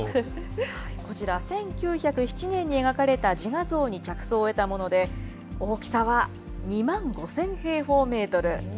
こちら、１９０７年に描かれた自画像に着想を得たもので、大きさは２万５０００平方メートル。